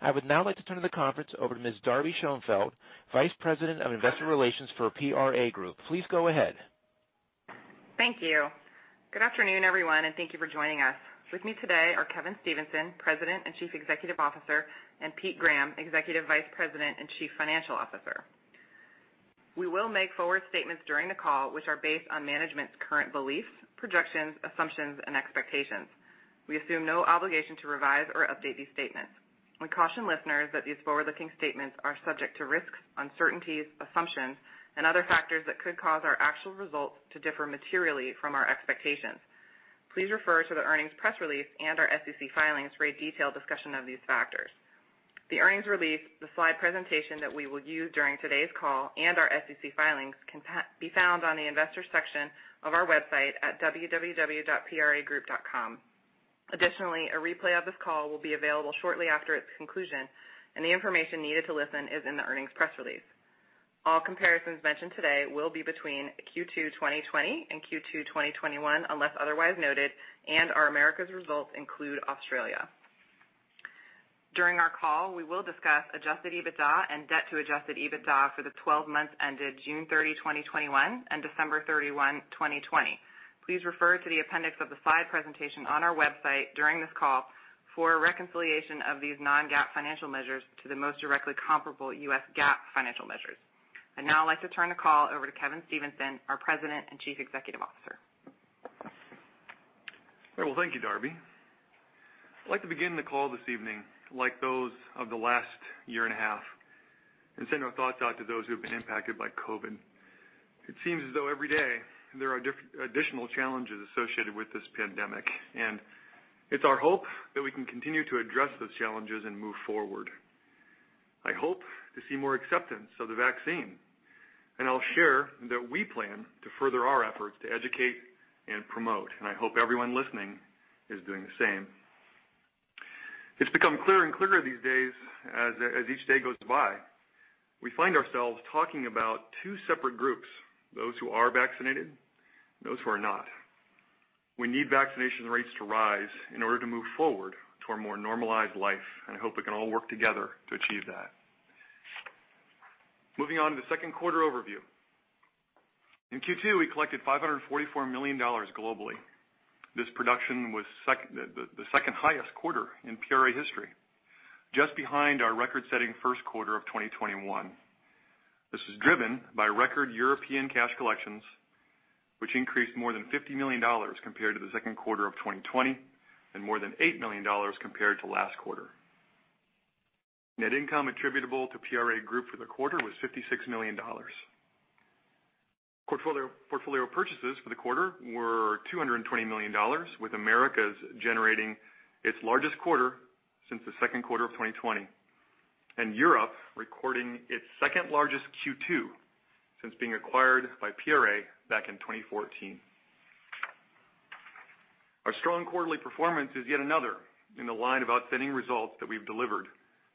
I would now like to turn the conference over to Ms. Darby Schoenfeld, Vice President of Investor Relations for PRA Group. Please go ahead. Thank you. Good afternoon, everyone, and thank you for joining us. With me today are Kevin Stevenson, President and Chief Executive Officer, and Pete Graham, Executive Vice President and Chief Financial Officer. We will make forward statements during the call which are based on management's current beliefs, projections, assumptions, and expectations. We assume no obligation to revise or update these statements. We caution listeners that these forward-looking statements are subject to risks, uncertainties, assumptions, and other factors that could cause our actual results to differ materially from our expectations. Please refer to the earnings press release and our SEC filings for a detailed discussion of these factors. The earnings release, the slide presentation that we will use during today's call, and our SEC filings can be found on the investors section of our website at www.pragroup.com. Additionally, a replay of this call will be available shortly after its conclusion, and the information needed to listen is in the earnings press release. All comparisons mentioned today will be between Q2 2020 and Q2 2021, unless otherwise noted, and our Americas results include Australia. During our call, we will discuss adjusted EBITDA and debt to adjusted EBITDA for the 12 months ended June 30, 2021, and December 31, 2020. Please refer to the appendix of the slide presentation on our website during this call for a reconciliation of these non-GAAP financial measures to the most directly comparable U.S. GAAP financial measures. I'd now like to turn the call over to Kevin Stevenson, our President and Chief Executive Officer. Thank you, Darby. I'd like to begin the call this evening like those of the last 1.5 years and send our thoughts out to those who have been impacted by COVID. It seems as though every day there are additional challenges associated with this pandemic, and it's our hope that we can continue to address those challenges and move forward. I hope to see more acceptance of the vaccine, and I'll share that we plan to further our efforts to educate and promote, and I hope everyone listening is doing the same. It's become clearer and clearer these days as each day goes by. We find ourselves talking about two separate groups, those who are vaccinated, and those who are not. We need vaccination rates to rise in order to move forward to a more normalized life, and I hope we can all work together to achieve that. Moving on to the second quarter overview. In Q2, we collected $544 million globally. This production was the second-highest quarter in PRA history, just behind our record-setting first quarter of 2021. This is driven by record European cash collections, which increased more than $50 million compared to the second quarter of 2020 and more than $8 million compared to last quarter. Net income attributable to PRA Group for the quarter was $56 million. Portfolio purchases for the quarter were $220 million, with Americas generating its largest quarter since the second quarter of 2020, and Europe recording its second largest Q2 since being acquired by PRA back in 2014. Our strong quarterly performance is yet another in the line of outstanding results that we've delivered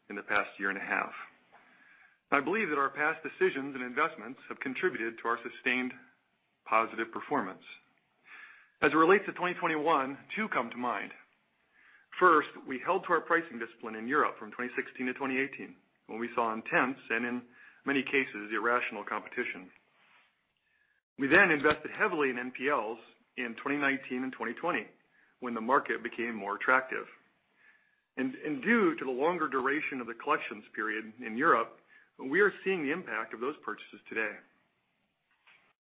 in the past year and a half. I believe that our past decisions and investments have contributed to our sustained positive performance. As it relates to 2021, two come to mind. First, we held to our pricing discipline in Europe from 2016 to 2018 when we saw intense, and in many cases, irrational competition. We then invested heavily in NPLs in 2019 and 2020 when the market became more attractive. Due to the longer duration of the collections period in Europe, we are seeing the impact of those purchases today.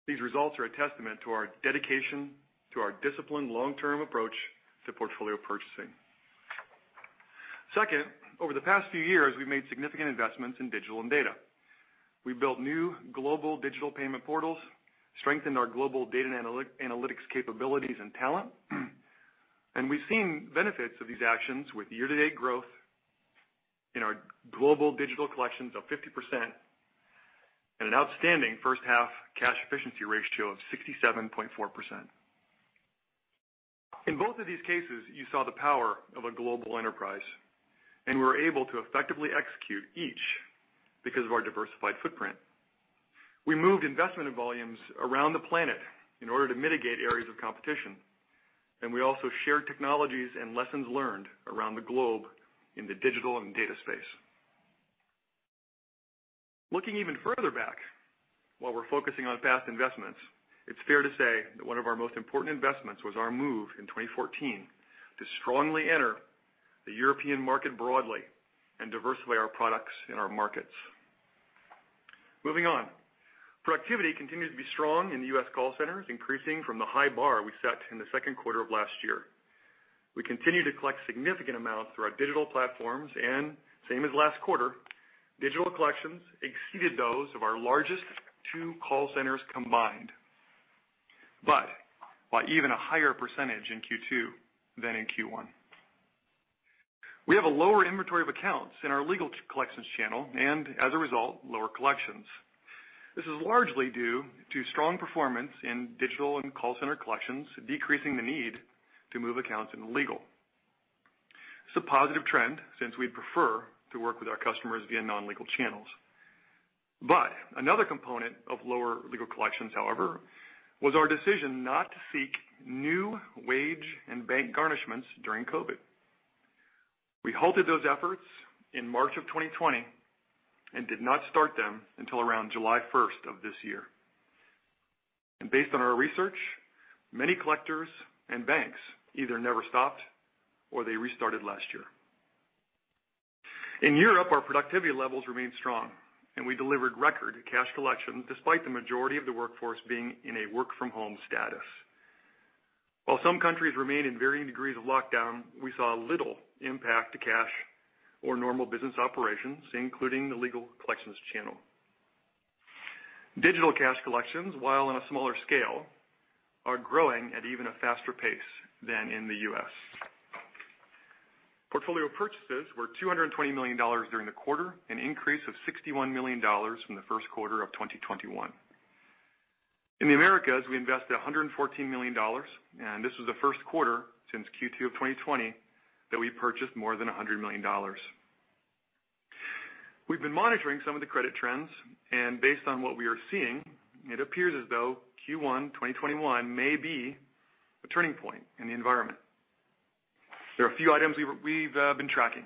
These results are a testament to our dedication to our disciplined long-term approach to portfolio purchasing. Second, over the past few years, we've made significant investments in digital and data. We built new global digital payment portals, strengthened our global data and analytics capabilities and talent, we've seen benefits of these actions with year-to-date growth in our global digital collections of 50% and an outstanding first-half cash efficiency ratio of 67.4%. In both of these cases, you saw the power of a global enterprise, we were able to effectively execute each because of our diversified footprint. We moved investment volumes around the planet in order to mitigate areas of competition, we also shared technologies and lessons learned around the globe in the digital and data space. Looking even further back, while we're focusing on past investments, it's fair to say that one of our most important investments was our move in 2014 to strongly enter the European market broadly and diversify our products and our markets. Moving on. Productivity continues to be strong in the U.S. call centers, increasing from the high bar we set in the second quarter of last year. We continue to collect significant amounts through our digital platforms and, same as last quarter, digital collections exceeded those of our largest two call centers combined. By even a higher percentage in Q2 than in Q1. We have a lower inventory of accounts in our legal collections channel and, as a result, lower collections. This is largely due to strong performance in digital and call center collections, decreasing the need to move accounts into legal. This is a positive trend since we prefer to work with our customers via non-legal channels. Another component of lower legal collections, however, was our decision not to seek new wage and bank garnishments during COVID. We halted those efforts in March of 2020 did not start them until around July 1st of this year. Based on our research, many collectors and banks either never stopped or they restarted last year. In Europe, our productivity levels remain strong, we delivered record cash collections despite the majority of the workforce being in a work-from-home status. While some countries remain in varying degrees of lockdown, we saw little impact to cash or normal business operations, including the legal collections channel. Digital cash collections, while on a smaller scale, are growing at even a faster pace than in the U.S. Portfolio purchases were $220 million during the quarter, an increase of $61 million from the first quarter of 2021. In the Americas, we invested $114 million, this was the first quarter since Q2 of 2020 that we purchased more than $100 million. We've been monitoring some of the credit trends, and based on what we are seeing, it appears as though Q1 2021 may be a turning point in the environment. There are a few items we've been tracking.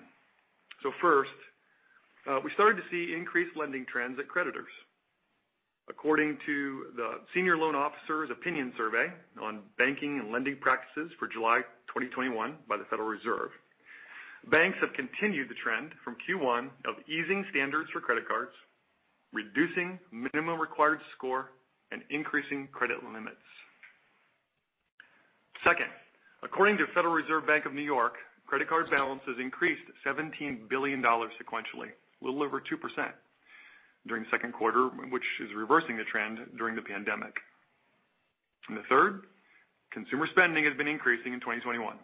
First, we started to see increased lending trends at creditors. According to the Senior Loan Officer Opinion Survey on Bank Lending Practices for July 2021 by the Federal Reserve, banks have continued the trend from Q1 of easing standards for credit cards, reducing minimum required score, and increasing credit limits. Second, according to Federal Reserve Bank of New York, credit card balances increased $17 billion sequentially, a little over 2% during the second quarter, which is reversing the trend during the pandemic. The third, consumer spending has been increasing in 2021.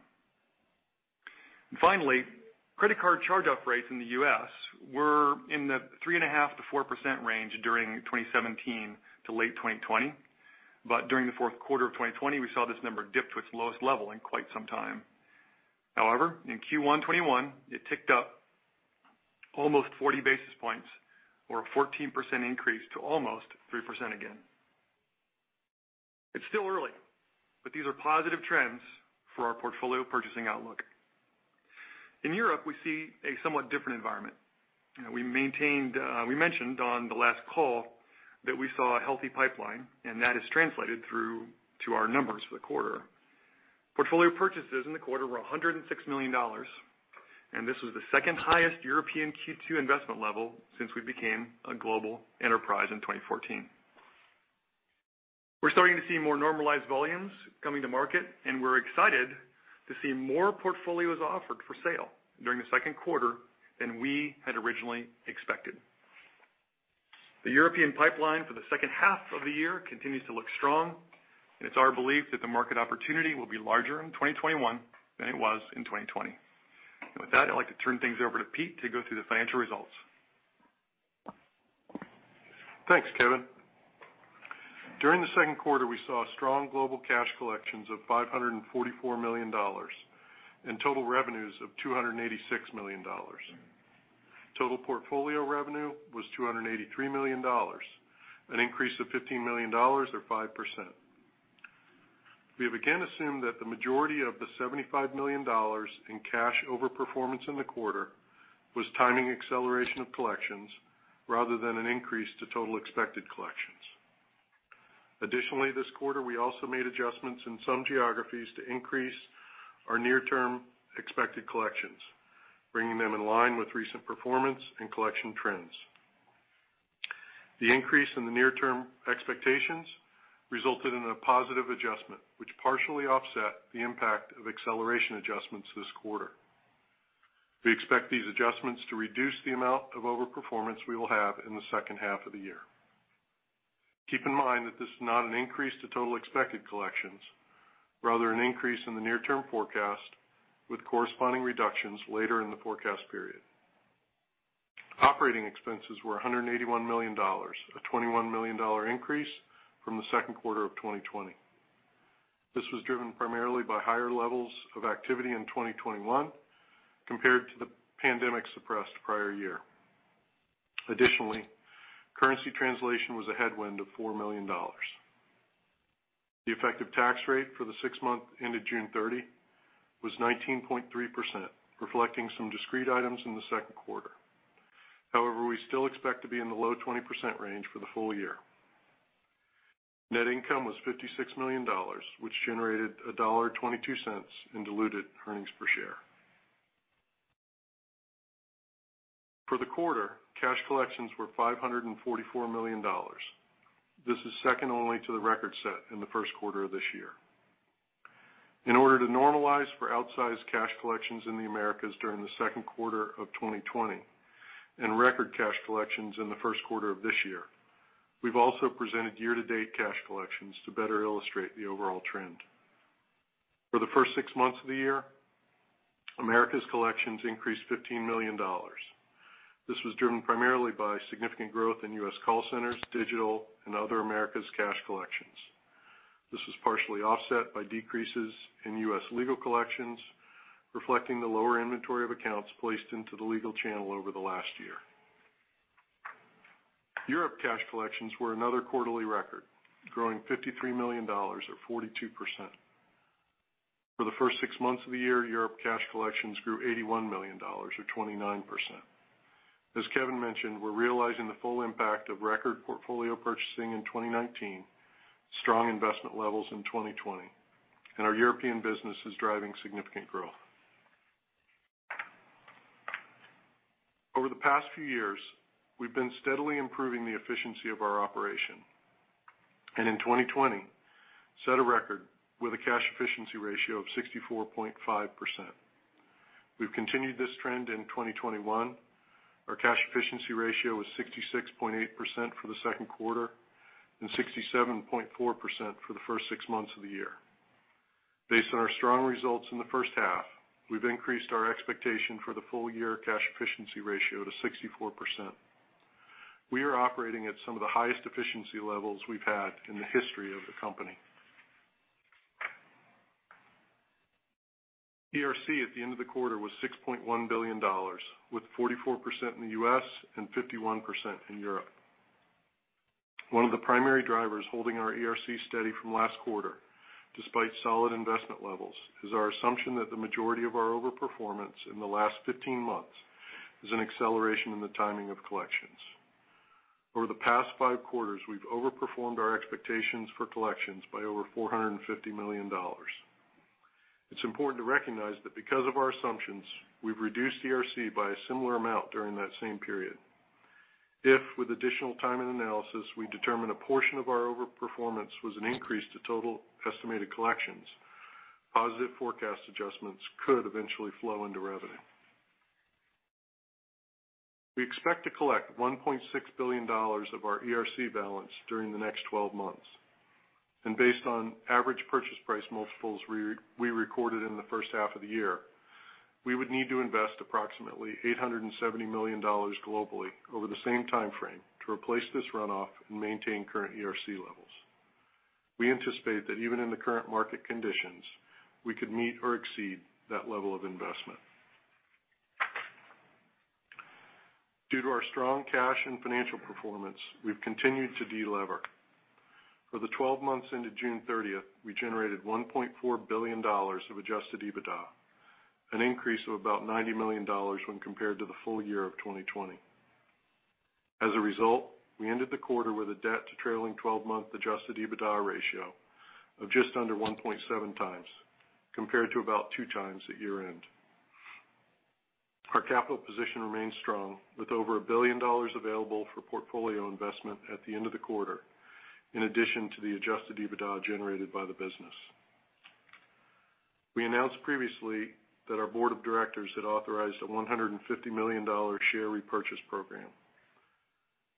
Finally, credit card charge-off rates in the U.S. were in the 3.5%-4% range during 2017 to late 2020. During the fourth quarter of 2020, we saw this number dip to its lowest level in quite some time. In Q1 2021, it ticked up almost 40 basis points or a 14% increase to almost 3% again. It's still early, but these are positive trends for our portfolio purchasing outlook. In Europe, we see a somewhat different environment. We mentioned on the last call that we saw a healthy pipeline, and that has translated through to our numbers for the quarter. Portfolio purchases in the quarter were $106 million, and this was the second-highest European Q2 investment level since we became a global enterprise in 2014. We're starting to see more normalized volumes coming to market, and we're excited to see more portfolios offered for sale during the second quarter than we had originally expected. The European pipeline for the second half of the year continues to look strong, and it's our belief that the market opportunity will be larger in 2021 than it was in 2020. With that, I'd like to turn things over to Pete to go through the financial results. Thanks, Kevin. During the second quarter, we saw strong global cash collections of $544 million and total revenues of $286 million. Total portfolio revenue was $283 million, an increase of $15 million or 5%. We have again assumed that the majority of the $75 million in cash overperformance in the quarter was timing acceleration of collections rather than an increase to total expected collections. Additionally, this quarter, we also made adjustments in some geographies to increase our near-term expected collections, bringing them in line with recent performance and collection trends. The increase in the near-term expectations resulted in a positive adjustment, which partially offset the impact of acceleration adjustments this quarter. We expect these adjustments to reduce the amount of overperformance we will have in the second half of the year. Keep in mind that this is not an increase to total expected collections, rather an increase in the near-term forecast with corresponding reductions later in the forecast period. Operating expenses were $181 million, a $21 million increase from the second quarter of 2020. This was driven primarily by higher levels of activity in 2021 compared to the pandemic-suppressed prior year. Additionally, currency translation was a headwind of $4 million. The effective tax rate for the six months ended June 30 was 19.3%, reflecting some discrete items in the second quarter. However, we still expect to be in the low 20% range for the full year. Net income was $56 million, which generated $1.22 in diluted earnings per share. For the quarter, cash collections were $544 million. This is second only to the record set in the first quarter of the year. In order to normalize for outsized cash collections in the Americas during the second quarter of 2020, and record cash collections in the first quarter of this year, we've also presented year-to-date cash collections to better illustrate the overall trend. For the first six months of the year, Americas collections increased $15 million. This was driven primarily by significant growth in U.S. call centers, digital and other Americas cash collections. This was partially offset by decreases in U.S. legal collections, reflecting the lower inventory of accounts placed into the legal channel over the last year. Europe cash collections were another quarterly record, growing $53 million, or 42%. For the first six months of the year, Europe cash collections grew $81 million, or 29%. As Kevin mentioned, we're realizing the full impact of record portfolio purchasing in 2019, strong investment levels in 2020, and our European business is driving significant growth. Over the past few years, we've been steadily improving the efficiency of our operation. In 2020, set a record with a cash efficiency ratio of 64.5%. We've continued this trend in 2021. Our cash efficiency ratio is 66.8% for the second quarter and 67.4% for the first six months of the year. Based on our strong results in the first half, we've increased our expectation for the full-year cash efficiency ratio to 64%. We are operating at some of the highest efficiency levels we've had in the history of the company. ERC at the end of the quarter was $6.1 billion, with 44% in the U.S. and 51% in Europe. One of the primary drivers holding our ERC steady from last quarter, despite solid investment levels, is our assumption that the majority of our overperformance in the last 15 months is an acceleration in the timing of collections. Over the past five quarters, we've overperformed our expectations for collections by over $450 million. It's important to recognize that because of our assumptions, we've reduced ERC by a similar amount during that same period. If, with additional time and analysis, we determine a portion of our overperformance was an increase to total estimated collections, positive forecast adjustments could eventually flow into revenue. We expect to collect $1.6 billion of our ERC balance during the next 12 months. Based on average purchase price multiples we recorded in the first half of the year, we would need to invest approximately $870 million globally over the same timeframe to replace this runoff and maintain current ERC levels. We anticipate that even in the current market conditions, we could meet or exceed that level of investment. Due to our strong cash and financial performance, we've continued to de-lever. For the 12 months into June 30, we generated $1.4 billion of adjusted EBITDA, an increase of about $90 million when compared to the full year of 2020. As a result, we ended the quarter with a debt to trailing 12-month adjusted EBITDA ratio of just under 1.7x, compared to about 2x at year-end. Our capital position remains strong, with over $1 billion available for portfolio investment at the end of the quarter, in addition to the adjusted EBITDA generated by the business. We announced previously that our board of directors had authorized a $150 million share repurchase program.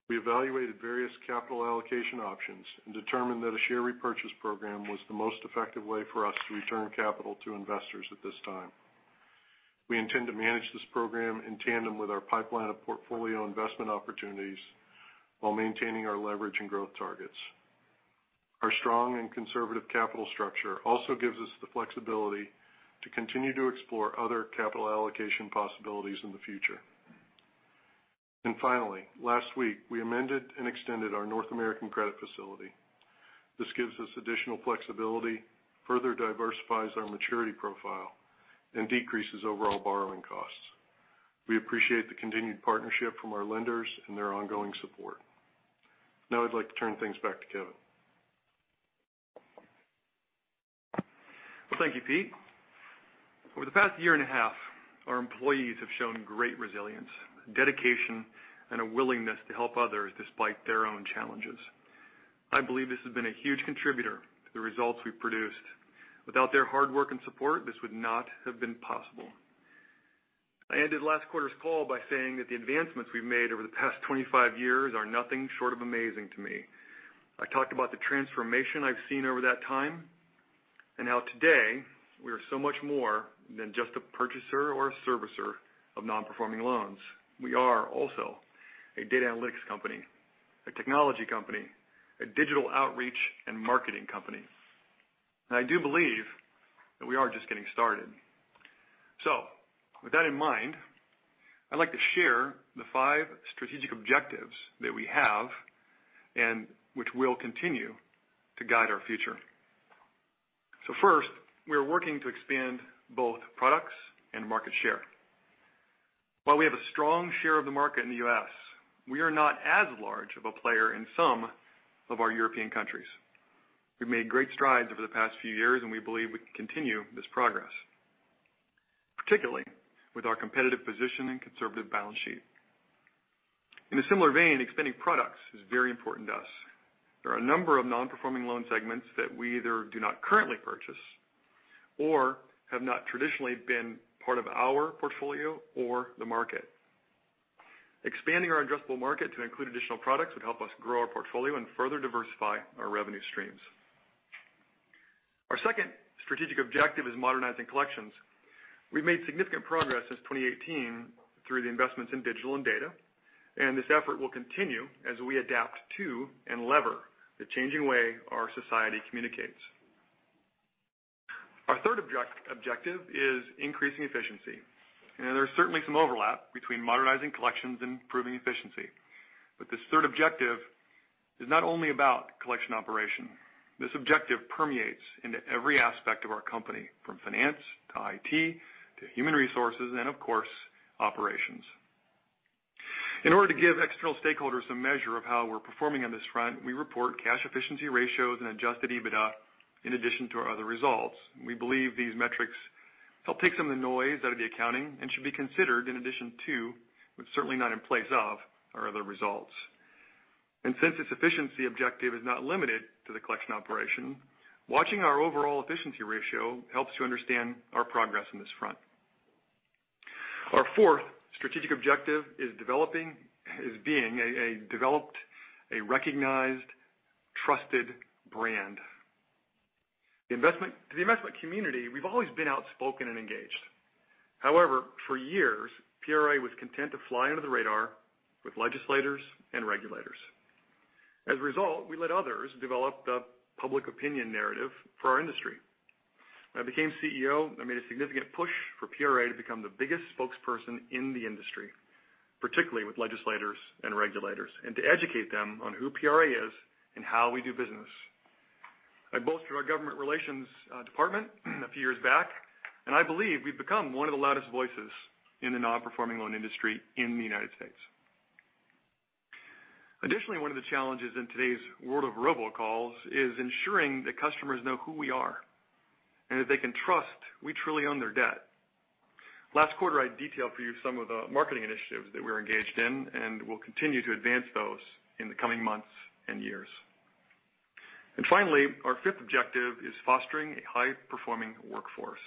We evaluated various capital allocation options and determined that a share repurchase program was the most effective way for us to return capital to investors at this time. We intend to manage this program in tandem with our pipeline of portfolio investment opportunities while maintaining our leverage and growth targets. Our strong and conservative capital structure also gives us the flexibility to continue to explore other capital allocation possibilities in the future. Finally, last week, we amended and extended our North American credit facility. This gives us additional flexibility, further diversifies our maturity profile, and decreases overall borrowing costs. We appreciate the continued partnership from our lenders and their ongoing support. I'd like to turn things back to Kevin. Well, thank you, Pete. Over the past year and a half, our employees have shown great resilience, dedication, and a willingness to help others despite their own challenges. I believe this has been a huge contributor to the results we've produced. Without their hard work and support, this would not have been possible. I ended last quarter's call by saying that the advancements we've made over the past 25 years are nothing short of amazing to me. I talked about the transformation I've seen over that time, and how today we are so much more than just a purchaser or a servicer of non-performing loans. We are also a data analytics company, a technology company, a digital outreach and marketing company. I do believe that we are just getting started. With that in mind, I'd like to share the five strategic objectives that we have and which will continue to guide our future. First, we are working to expand both products and market share. While we have a strong share of the market in the U.S., we are not as large of a player in some of our European countries. We've made great strides over the past few years, and we believe we can continue this progress. Particularly with our competitive position and conservative balance sheet. In a similar vein, expanding products is very important to us. There are a number of non-performing loan segments that we either do not currently purchase or have not traditionally been part of our portfolio or the market. Expanding our addressable market to include additional products would help us grow our portfolio and further diversify our revenue streams. Our second strategic objective is modernizing collections. We've made significant progress since 2018 through the investments in digital and data. This effort will continue as we adapt to and lever the changing way our society communicates. Our third objective is increasing efficiency. There's certainly some overlap between modernizing collections and improving efficiency. This third objective is not only about collection operation. This objective permeates into every aspect of our company, from finance to IT, to human resources, and of course, operations. In order to give external stakeholders a measure of how we're performing on this front, we report cash efficiency ratios and adjusted EBITDA in addition to our other results. We believe these metrics help take some of the noise out of the accounting and should be considered in addition to, but certainly not in place of, our other results. Since this efficiency objective is not limited to the collection operation, watching our overall efficiency ratio helps to understand our progress on this front. Our fourth strategic objective is being a developed, a recognized, trusted brand. To the investment community, we've always been outspoken and engaged. However, for years, PRA was content to fly under the radar with legislators and regulators. As a result, we let others develop the public opinion narrative for our industry. When I became CEO, I made a significant push for PRA to become the biggest spokesperson in the industry, particularly with legislators and regulators, and to educate them on who PRA is and how we do business. I bolstered our government relations department a few years back, and I believe we've become one of the loudest voices in the non-performing loan industry in the U.S. Additionally, one of the challenges in today's world of robocalls is ensuring that customers know who we are and that they can trust we truly own their debt. Last quarter, I detailed for you some of the marketing initiatives that we're engaged in, and we'll continue to advance those in the coming months and years. Finally, our fifth objective is fostering a high-performing workforce.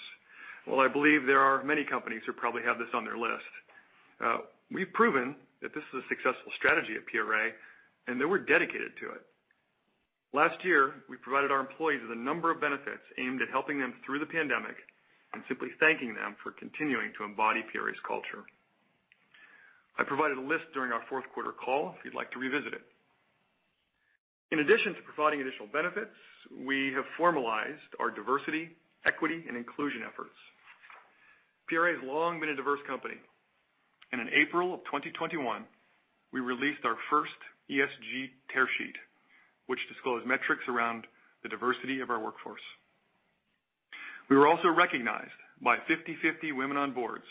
While I believe there are many companies who probably have this on their list, we've proven that this is a successful strategy at PRA and that we're dedicated to it. Last year, we provided our employees with a number of benefits aimed at helping them through the pandemic and simply thanking them for continuing to embody PRA's culture. I provided a list during our fourth quarter call if you'd like to revisit it. In addition to providing additional benefits, we have formalized our diversity, equity, and inclusion efforts. PRA has long been a diverse company, and in April of 2021, we released our first ESG tearsheet, which disclosed metrics around the diversity of our workforce. We were also recognized by 50/50 Women on Boards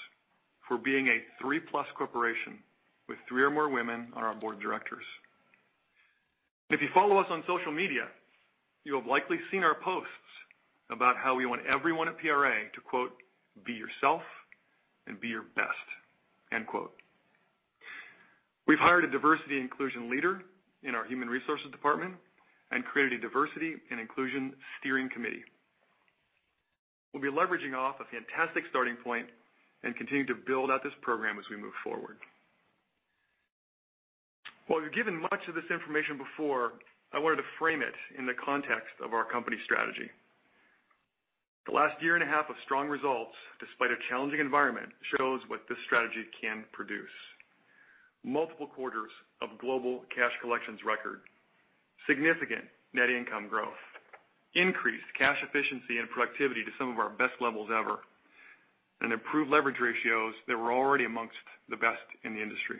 for being a three-plus corporation with three or more women on our board of directors. If you follow us on social media, you have likely seen our posts about how we want everyone at PRA to, "Be yourself and be your best.". We've hired a diversity inclusion leader in our human resources department and created a diversity and inclusion steering committee. We'll be leveraging off a fantastic starting point and continue to build out this program as we move forward. While we've given much of this information before, I wanted to frame it in the context of our company strategy. The last year and a half of strong results, despite a challenging environment, shows what this strategy can produce. Multiple quarters of global cash collections record, significant net income growth, increased cash efficiency and productivity to some of our best levels ever, and improved leverage ratios that were already amongst the best in the industry.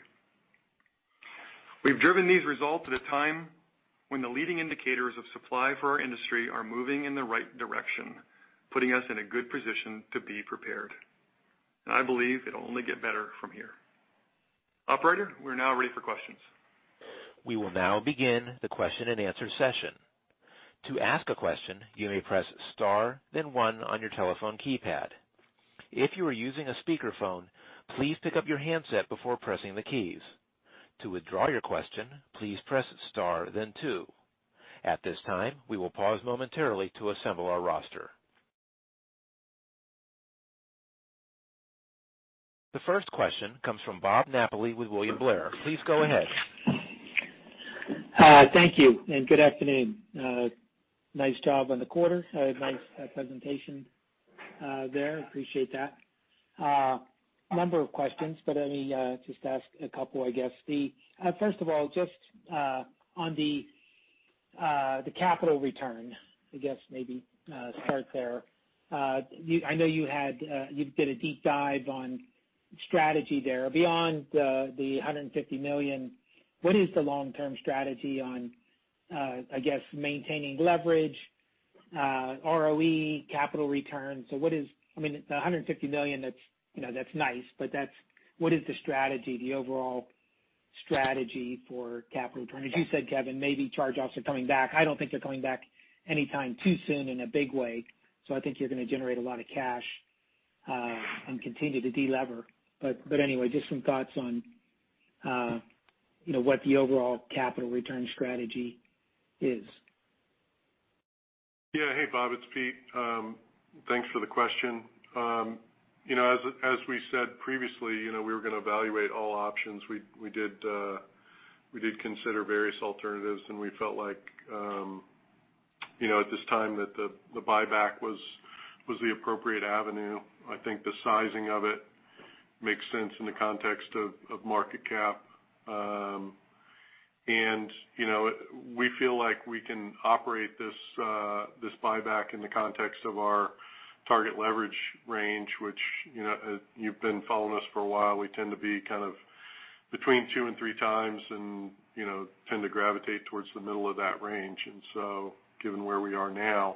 We've driven these results at a time when the leading indicators of supply for our industry are moving in the right direction, putting us in a good position to be prepared. I believe it'll only get better from here. Operator, we're now ready for questions. We will now begin the question and answer session. The first question comes from Bob Napoli with William Blair. Please go ahead. Thank you, and good afternoon. Nice job on the quarter. Nice presentation there. Appreciate that. A number of questions, but let me just ask a couple, I guess. First of all, just on the capital return, I guess maybe start there. I know you did a deep dive on strategy there. Beyond the $150 million, what is the long-term strategy on maintaining leverage, ROE, capital return? The $150 million, that's nice, but what is the strategy, the overall strategy for capital return? As you said, Kevin, maybe charge-offs are coming back. I don't think they're coming back anytime too soon in a big way, I think you're going to generate a lot of cash, and continue to de-lever. Anyway, just some thoughts on what the overall capital return strategy is. Yeah. Hey, Bob. It's Pete. Thanks for the question. As we said previously, we were going to evaluate all options. We did consider various alternatives, and we felt like, at this time, that the buyback was the appropriate avenue. I think the sizing of it makes sense in the context of market cap. We feel like we can operate this buyback in the context of our target leverage range, which you've been following us for a while, we tend to be kind of between 2x and 3x and tend to gravitate towards the middle of that range. Given where we are now,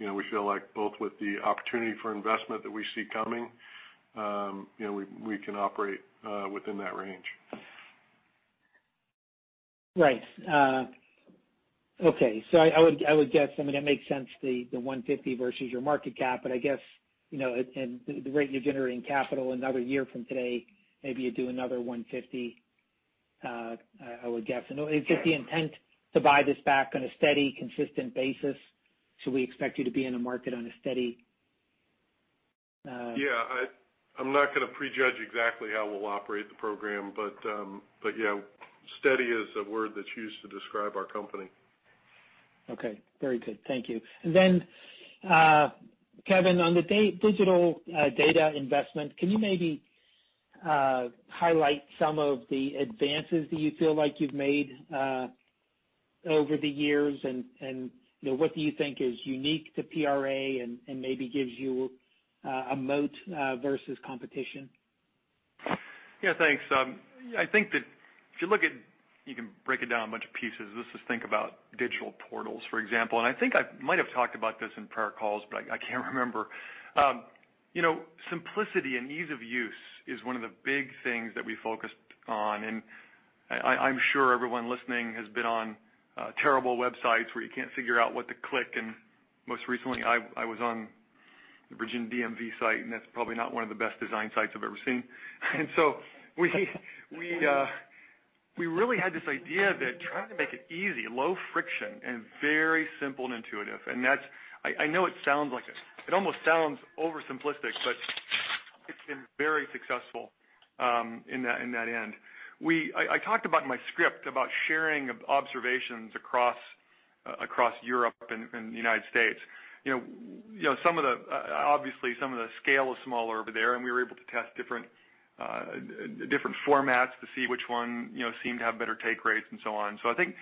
we feel like both with the opportunity for investment that we see coming, we can operate within that range. Right. Okay. I would guess, I mean, it makes sense, the $150 versus your market cap, but I guess, and the rate you're generating capital another year from today, maybe you do another $150, I would guess. Is it the intent to buy this back on a steady, consistent basis? Should we expect you to be in the market on a steady? Yeah, I'm not going to prejudge exactly how we'll operate the program, but, yeah, steady is a word that's used to describe our company. Okay, very good. Thank you. Then, Kevin, on the digital data investment, can you maybe highlight some of the advances that you feel like you've made over the years and what do you think is unique to PRA and maybe gives you a moat versus competition? Yeah, thanks. I think that if you look at, you can break it down a bunch of pieces. Let's just think about digital portals, for example. I think I might have talked about this in prior calls, but I can't remember. Simplicity and ease of use is one of the big things that we focused on, and I'm sure everyone listening has been on terrible websites where you can't figure out what to click. Most recently, I was on the Virginia DMV site, and that's probably not one of the best designed sites I've ever seen. We really had this idea that trying to make it easy, low friction, and very simple and intuitive. I know it almost sounds over simplistic, but it's been very successful in that end. I talked about in my script about sharing observations across Europe and the United States. Obviously, some of the scale is smaller over there, and we were able to test different formats to see which one seemed to have better take rates and so on. I think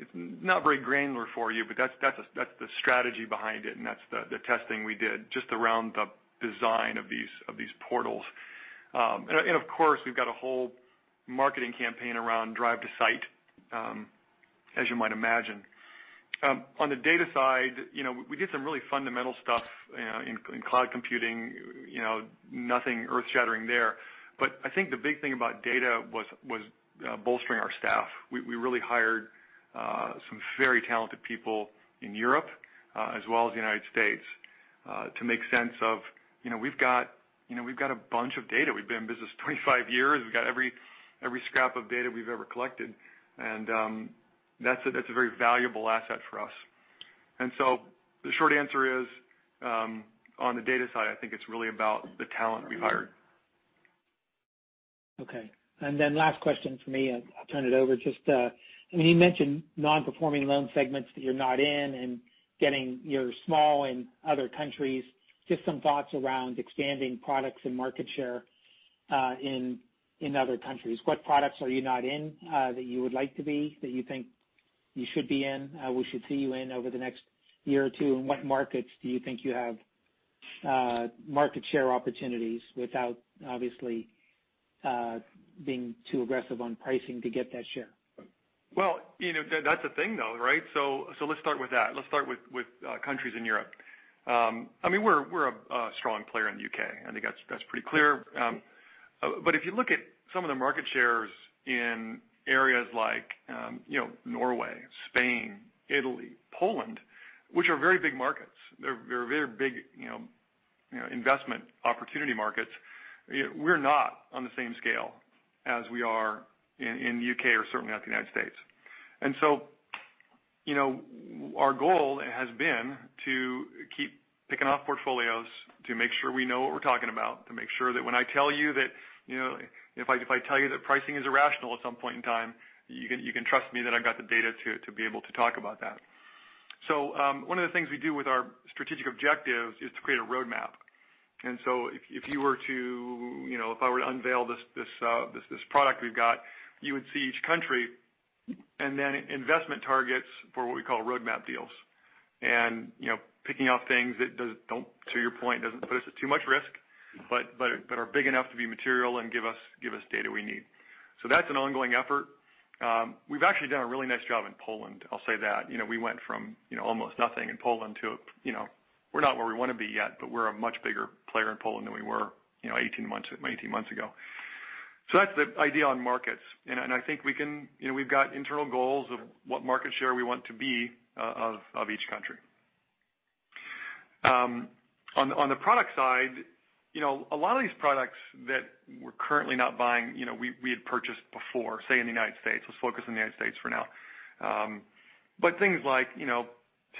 it's not very granular for you, but that's the strategy behind it, and that's the testing we did just around the design of these portals. Of course, we've got a whole marketing campaign around drive to site, as you might imagine. On the data side, we did some really fundamental stuff in cloud computing. Nothing earth-shattering there. I think the big thing about data was bolstering our staff. We really hired some very talented people in Europe, as well as the United States. We've got a bunch of data. We've been in business 25 years. We've got every scrap of data we've ever collected. That's a very valuable asset for us. The short answer is, on the data side, I think it's really about the talent we hired. Okay. Last question from me, I'll turn it over. You mentioned Non-Performing Loan segments that you're not in and you're small in other countries. Some thoughts around expanding products and market share in other countries. What products are you not in that you would like to be, that you think you should be in, we should see you in over the next year or two? What markets do you think you have market share opportunities without obviously being too aggressive on pricing to get that share? That's the thing, though, right? Let's start with that. Let's start with countries in Europe. We're a strong player in the U.K. I think that's pretty clear. If you look at some of the market shares in areas like Norway, Spain, Italy, Poland, which are very big markets. They're very big investment opportunity markets. We're not on the same scale as we are in the U.K. or certainly not the U.S. Our goal has been to keep picking off portfolios to make sure we know what we're talking about, to make sure that when I tell you that pricing is irrational at some point in time, you can trust me that I've got the data to be able to talk about that. One of the things we do with our strategic objectives is to create a roadmap. If I were to unveil this product we've got, you would see each country, and then investment targets for what we call roadmap deals. Picking off things that don't, to your point, doesn't put us at too much risk, but are big enough to be material and give us data we need. That's an ongoing effort. We've actually done a really nice job in Poland, I'll say that. We went from almost nothing in Poland to, we're not where we want to be yet, but we're a much bigger player in Poland than we were 18 months ago. That's the idea on markets. I think we've got internal goals of what market share we want to be of each country. On the product side, a lot of these products that we're currently not buying, we had purchased before, say, in the United States. Let's focus on the United States for now. Things like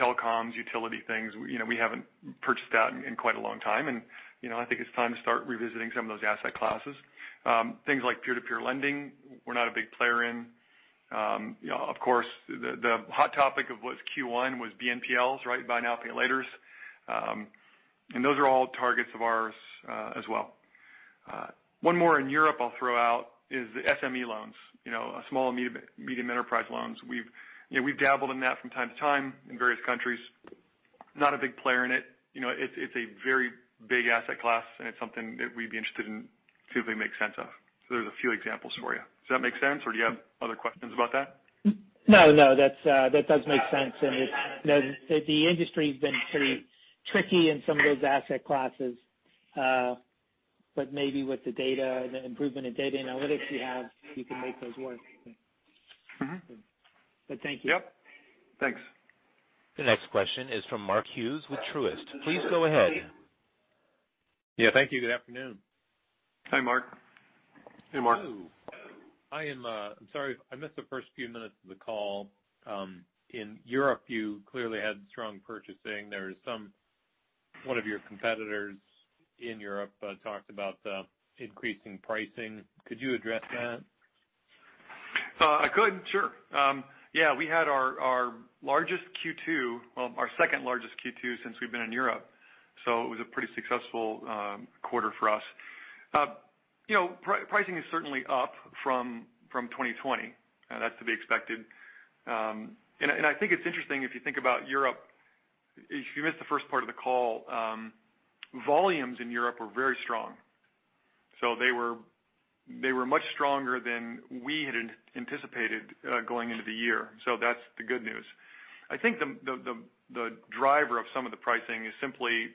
telecoms, utility things, we haven't purchased that in quite a long time, and I think it's time to start revisiting some of those asset classes. Things like peer-to-peer lending, we're not a big player in. Of course, the hot topic of what's Q1 was BNPLs. Buy Now, Pay Later. Those are all targets of ours as well. One more in Europe I'll throw out is the SME loans. Small and medium enterprise loans. We've dabbled in that from time to time in various countries. Not a big player in it. It's a very big asset class, and it's something that we'd be interested in see if we make sense of. There's a few examples for you. Does that make sense, or do you have other questions about that? No, that does make sense. The industry's been pretty tricky in some of those asset classes. Maybe with the data and the improvement in data analytics you have, you can make those work. Thank you. Yep. Thanks. The next question is from Mark Hughes with Truist. Please go ahead. Yeah, thank you. Good afternoon. Hi, Mark. Hey, Mark. I'm sorry if I missed the first few minutes of the call. In Europe, you clearly had strong purchasing. One of your competitors in Europe talked about the increasing pricing. Could you address that? I could, sure. We had our largest Q2, well, our second-largest Q2 since we've been in Europe, so it was a pretty successful quarter for us. Pricing is certainly up from 2020. That's to be expected. I think it's interesting if you think about Europe, if you missed the first part of the call, volumes in Europe were very strong. They were much stronger than we had anticipated going into the year. That's the good news. I think the driver of some of the pricing is simply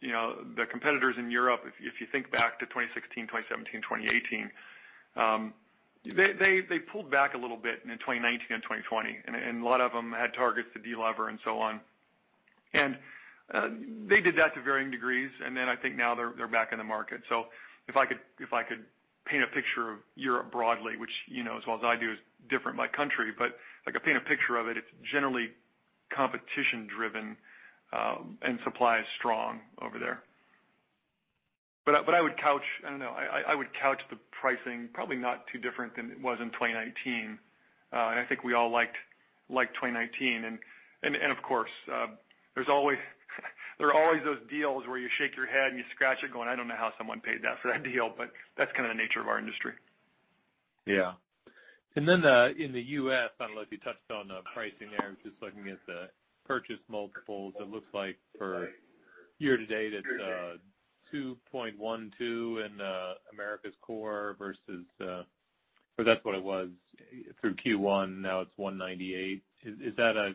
the competitors in Europe. If you think back to 2016, 2017, 2018, they pulled back a little bit in 2019 and 2020, a lot of them had targets to de-lever and so on. They did that to varying degrees, I think now they're back in the market. If I could paint a picture of Europe broadly, which as well as I do, is different by country, but if I could paint a picture of it's generally competition driven, and supply is strong over there. I would couch the pricing probably not too different than it was in 2019. I think we all liked 2019, and of course, there are always those deals where you shake your head, and you scratch it going, "I don't know how someone paid that for that deal," but that's kind of the nature of our industry. Yeah. Then in the U.S., I don't know if you touched on the pricing there. I'm just looking at the purchase multiples. It looks like for year to date, it's 2.12x in Americas Core versus, or that's what it was through Q1. Now it's 1.98x. Is that a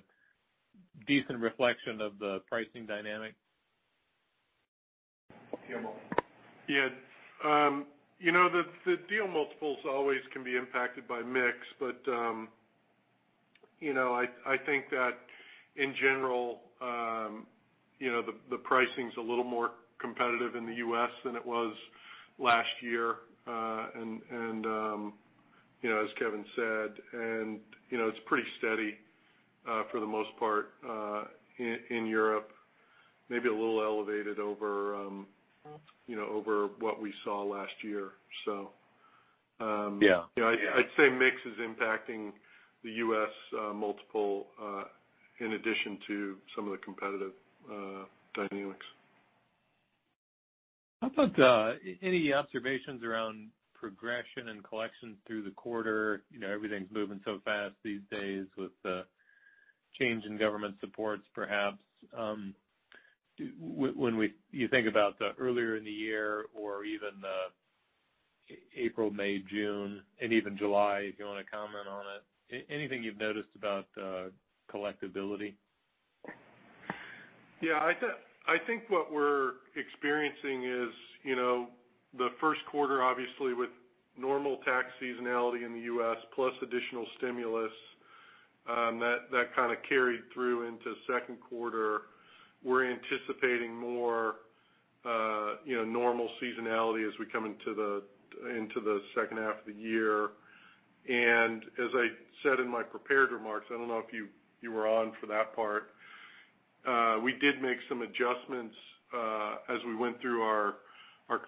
decent reflection of the pricing dynamic? Yeah, the deal multiples always can be impacted by mix, but I think that in general the pricing's a little more competitive in the U.S. than it was last year. As Kevin said, and it's pretty steady for the most part in Europe, maybe a little elevated over what we saw last year, so. Yeah. I'd say mix is impacting the U.S. multiple in addition to some of the competitive dynamics. How about any observations around progression and collection through the quarter? Everything's moving so fast these days with the change in government supports, perhaps. When you think about the earlier in the year or even the April, May, June, and even July, if you want to comment on it, anything you've noticed about collectibility? Yeah, I think what we're experiencing is the first quarter, obviously, with normal tax seasonality in the U.S. plus additional stimulus, that kind of carried through into second quarter. We're anticipating more normal seasonality as we come into the second half of the year. As I said in my prepared remarks, I don't know if you were on for that part, we did make some adjustments as we went through our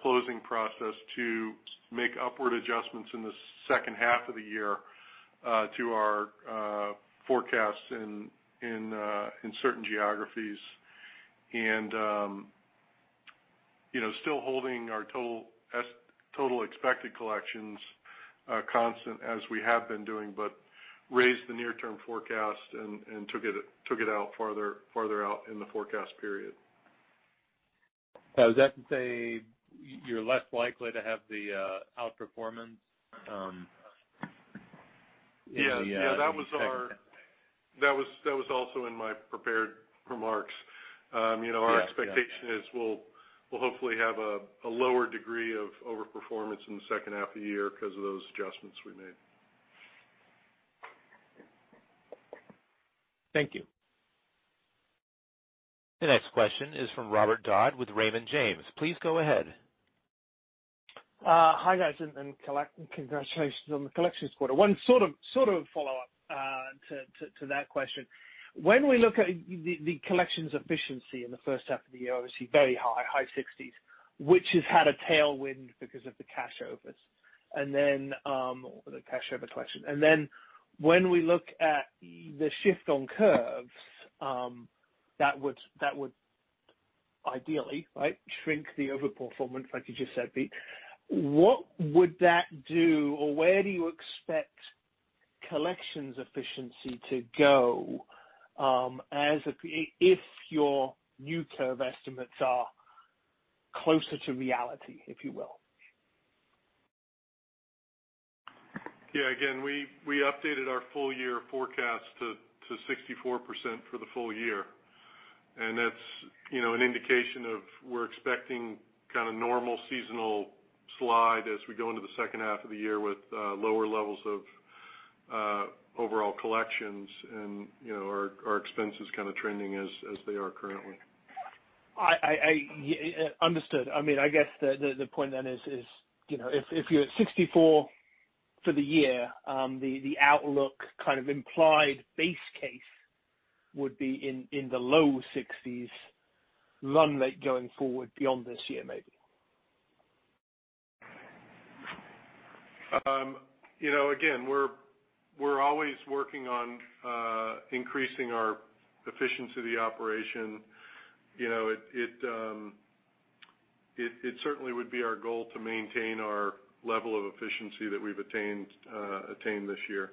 closing process to make upward adjustments in the second half of the year to our forecasts in certain geographies. Still holding our total expected collections constant as we have been doing, but raised the near-term forecast and took it out farther out in the forecast period. Is that to say you're less likely to have the outperformance in the second. Yeah. That was also in my prepared remarks. Yeah. Our expectation is we'll hopefully have a lower degree of over-performance in the second half of the year because of those adjustments we made. Thank you. The next question is from Robert Dodd with Raymond James. Please go ahead. Hi, guys. Congratulations on the collections quarter. One sort of follow-up to that question. When we look at the collections efficiency in the first half of the year, obviously very high, high 60%s, which has had a tailwind because of the cash overs. The cash over collection. When we look at the shift on curves, that would ideally shrink the over-performance, like you just said, Pete. What would that do, or where do you expect collections efficiency to go, if your new curve estimates are closer to reality, if you will? Again, we updated our full year forecast to 64% for the full year. That's an indication of we're expecting kind of normal seasonal slide as we go into the second half of the year with lower levels of overall collections and our expenses kind of trending as they are currently. Understood. I guess the point then is, if you're at 64% for the year, the outlook kind of implied base case would be in the low 60%s run rate going forward beyond this year, maybe. Again, we're always working on increasing our efficiency of the operation. It certainly would be our goal to maintain our level of efficiency that we've attained this year.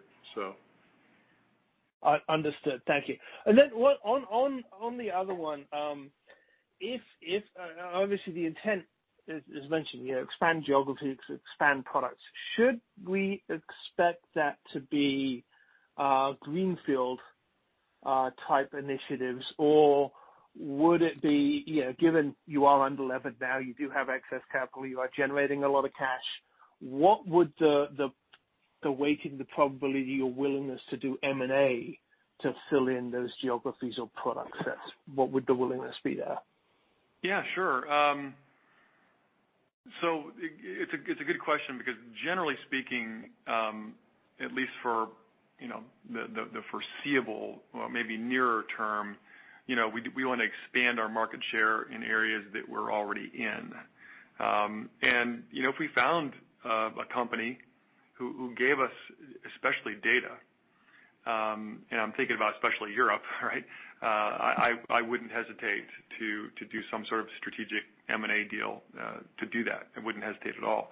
Understood. Thank you. On the other one, obviously the intent is mentioned, expand geography, expand products. Should we expect that to be greenfield type initiatives? Or would it be, given you are unlevered now, you do have excess capital, you are generating a lot of cash? What would the weight and the probability of your willingness to do M&A to fill in those geographies or product sets? What would the willingness be there? Yeah, sure. It's a good question because generally speaking, at least for the foreseeable or maybe nearer term, we want to expand our market share in areas that we're already in. If we found a company who gave us, especially data, and I'm thinking about especially Europe, right? I wouldn't hesitate to do some sort of strategic M&A deal to do that. I wouldn't hesitate at all.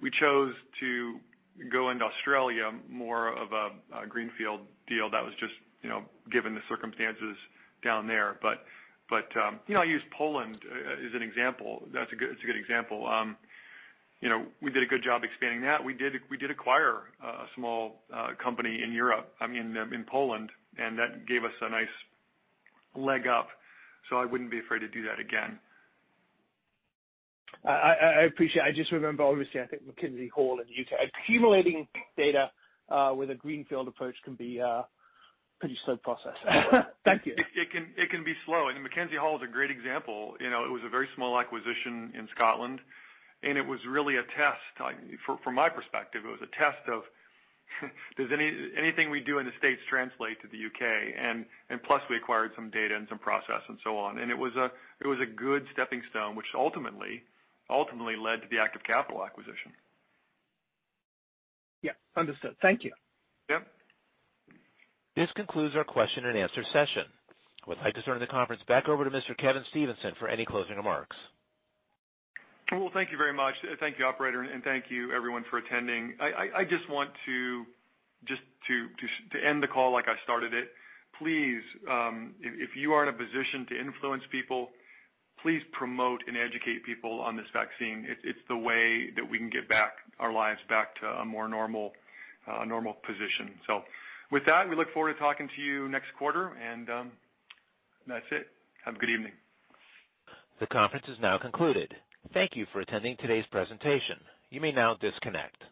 We chose to go into Australia more of a greenfield deal that was just given the circumstances down there. I use Poland as an example. That's a good example. We did a good job expanding that. We did acquire a small company in Europe, I mean, in Poland, and that gave us a nice leg up, so I wouldn't be afraid to do that again. I appreciate. I just remember, obviously, I think Mackenzie Hall in the U.K. Accumulating data with a greenfield approach can be a pretty slow process. Thank you. It can be slow. Mackenzie Hall is a great example. It was a very small acquisition in Scotland, and it was really a test. From my perspective, it was a test of does anything we do in the States translate to the U.K.? Plus, we acquired some data and some process and so on. It was a good stepping stone, which ultimately led to the Aktiv Kapital acquisition. Yeah. Understood. Thank you. Yeah. This concludes our question and answer session. I would like to turn the conference back over to Mr. Kevin Stevenson for any closing remarks. Well, thank you very much. Thank you, operator, and thank you everyone for attending. I just want to end the call like I started it. Please, if you are in a position to influence people, please promote and educate people on this vaccine. It's the way that we can get our lives back to a more normal position. With that, we look forward to talking to you next quarter, and that's it. Have a good evening. The conference is now concluded. Thank you for attending today's presentation. You may now disconnect.